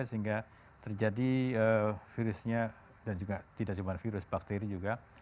sehingga terjadi virusnya dan juga tidak cuma virus bakteri juga